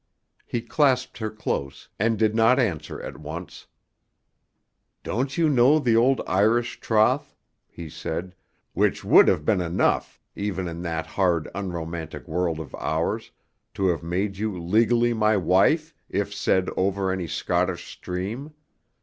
He clasped her close, and did not answer at once. "Don't you know that old Irish troth," he said, "which would have been enough, even in that hard, unromantic world of ours, to have made you legally my wife, if said over any Scottish stream?